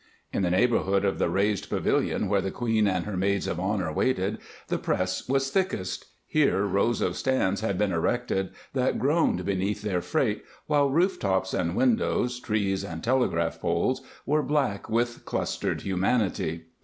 In the neighborhood of the raised pavilion where the queen and her maids of honor waited, the press was thickest; here rows of stands had been erected that groaned beneath their freight, while roof tops and windows, trees and telegraph poles, were black with clustered humanity.